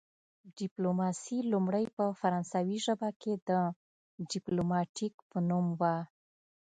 ډیپلوماسي لومړی په فرانسوي ژبه کې د ډیپلوماتیک په نوم وه